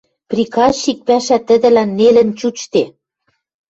Приказчик пӓшӓ тӹдӹлӓн нелӹн чучде.